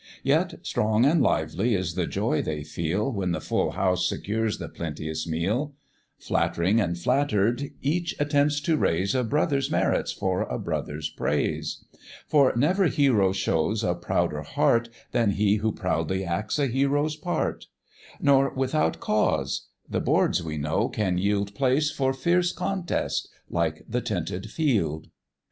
Yet strong and lively is the joy they feel, When the full house secures the plenteous meal; Flatt'ring and flatter'd, each attempts to raise A brother's merits for a brother's praise: For never hero shows a prouder heart, Than he who proudly acts a hero's part; Nor without cause; the boards, we know, can yield Place for fierce contest, like the tented field.